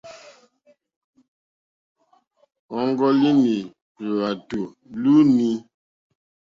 Ɔ́ŋɡɔ́línì lwàtò lúú!ní.